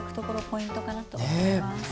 ポイントかなと思います。ね！